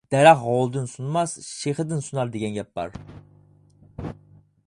«دەرەخ غولىدىن سۇنماس، شېخىدىن سۇنار» دېگەن گەپ بار.